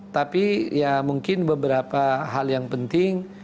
tapi ya mungkin beberapa hal yang penting